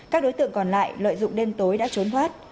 các đối tượng còn lại lợi dụng đêm tối đã trốn thoát